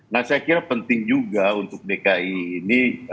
nah saya kira penting juga untuk dki ini